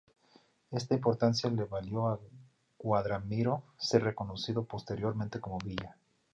Esta importancia le valió a Guadramiro ser reconocido posteriormente como "Villa".